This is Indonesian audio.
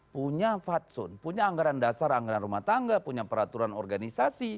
punya fatsun punya anggaran dasar anggaran rumah tangga punya peraturan organisasi